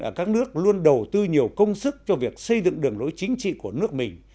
ở các nước luôn đầu tư nhiều công sức cho việc xây dựng đường lối chính trị của nước mình